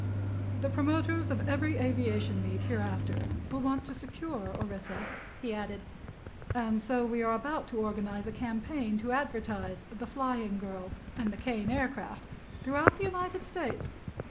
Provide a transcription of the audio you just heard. "The promoters of every aviation meet, hereafter, will want to secure Orissa," he added, "and so we are about to organize a campaign to advertise 'The Flying Girl' and the Kane Aircraft throughout the United States.